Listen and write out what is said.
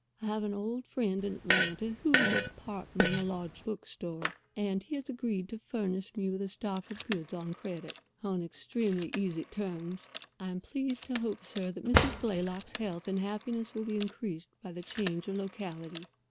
I have an old friend in Atlanta who is a partner in a large book store, and he has agreed to furnish me with a stock of goods on credit, on extremely easy terms. I am pleased to hope, sir, that Mrs. Blaylock's health and happiness will be increased by the change of locality.